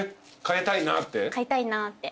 変えたいなって。